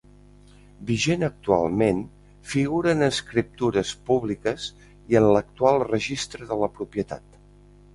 Vigent actualment, figura en escriptures públiques i en l'actual registre de la propietat.